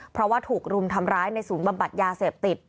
เพราะว่าถูกรุมทำร้ายในศูนย์บำบัดยาเสพติด